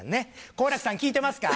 好楽さん聞いてますか？